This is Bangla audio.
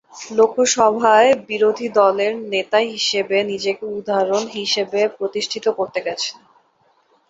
লোকসভায় বিরোধী দলের নেতা হিসেবে নিজেকে উদাহরণ হিসাবে প্রতিষ্ঠিত করে গেছেন।